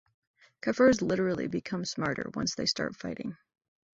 Kafers "literally" become smarter once they start fighting.